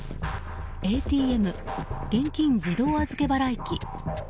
ＡＴＭ・現金自動預払機。